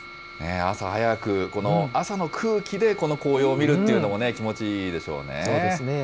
朝早く、この朝の空気で、この紅葉を見るっていうのも気持ちそうですね。